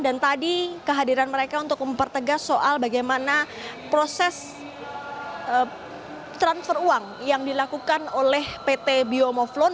dan tadi kehadiran mereka untuk mempertegas soal bagaimana proses transfer uang yang dilakukan oleh pt biomoflon